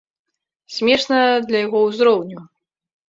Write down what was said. Смешна для яго ўзроўню.